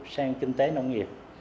sang kinh tế nông nghiệp